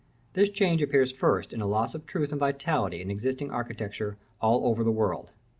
This change appears first in a loss of truth and vitality in existing architecture all over the world.